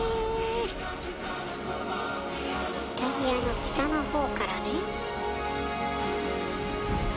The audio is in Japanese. イタリアの北のほうからね。